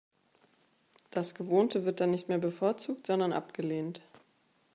Das Gewohnte wird dann nicht mehr bevorzugt, sondern abgelehnt.